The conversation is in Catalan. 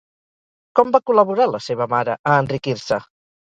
Com va col·laborar, la seva mare, a enriquir-se?